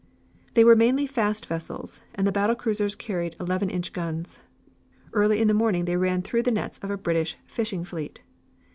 They were mainly fast vessels and the battle cruisers carried eleven inch guns. Early in the morning they ran through the nets of a British fishing fleet.